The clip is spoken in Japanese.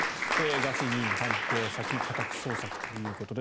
ガーシー議員、関係先家宅捜索ということです。